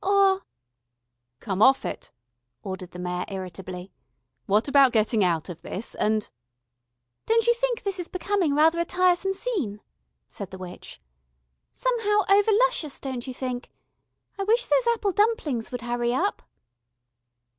Or " "Come off it," ordered the Mayor irritably. "What about gettin' out of this and " "Don't you think this is becoming rather a tiresome scene?" said the witch. "Somehow over luscious, don't you think? I wish those apple dumplings would hurry up."